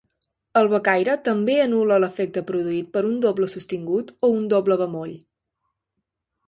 El becaire també anul·la l'efecte produït per un doble sostingut o un doble bemoll.